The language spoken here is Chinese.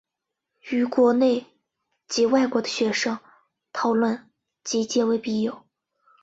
与国内及外国的学生讨论及结为笔友。